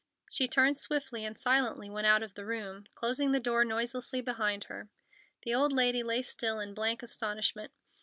She turned swiftly and silently and went out of the room, closing the door noiselessly behind her. The old lady lay still in blank astonishment.